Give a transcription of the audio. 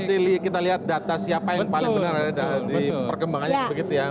berarti kita lihat data siapa yang paling benar ada di perkembangannya begitu ya